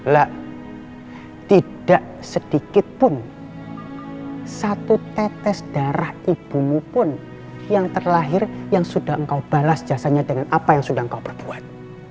lak tidak sedikit pun satu tetes darah ibumu pun yang terlahir yang sudah engkau balas jasanya dengan apa yang sudah engkau perbuat